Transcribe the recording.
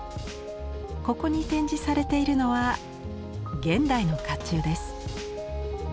ここに展示されているのは現代の甲冑です。